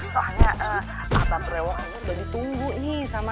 soalnya abang rewang ini udah ditunggu nih sama